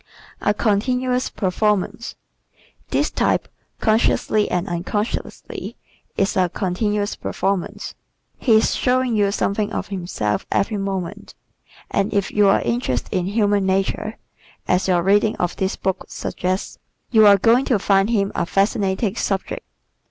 A Continuous Performance ¶ This type, consciously and unconsciously, is a "continuous performance." He is showing you something of himself every moment and if you are interested in human nature, as your reading of this book suggests, you are going to find him a fascinating subject.